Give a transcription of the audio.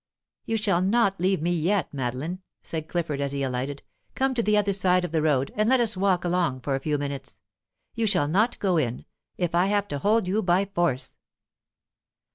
"You shall not leave me yet, Madeline," said Clifford, as he alighted. "Come to the other side of the road, and let us walk along for a few minutes. You shall not go in, if I have to hold you by force."